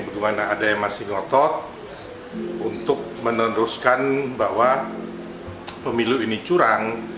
bagaimana ada yang masih ngotot untuk meneruskan bahwa pemilu ini curang